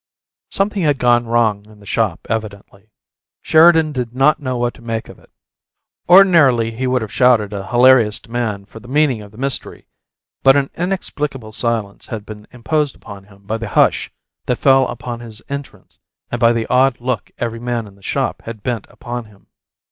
Something had gone wrong in the shop, evidently. Sheridan did not know what to make of it. Ordinarily he would have shouted a hilarious demand for the meaning of the mystery, but an inexplicable silence had been imposed upon him by the hush that fell upon his entrance and by the odd look every man in the shop had bent upon him.